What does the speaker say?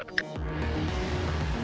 bukan hanya di jalan jalan